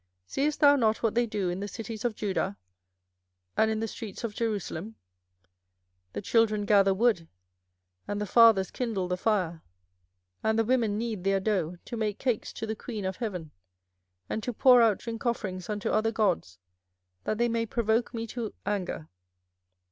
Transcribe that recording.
24:007:017 Seest thou not what they do in the cities of Judah and in the streets of Jerusalem? 24:007:018 The children gather wood, and the fathers kindle the fire, and the women knead their dough, to make cakes to the queen of heaven, and to pour out drink offerings unto other gods, that they may provoke me to anger.